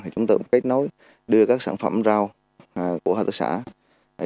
chúng tôi cũng kết nối đưa các sản phẩm rau của hợp tác xã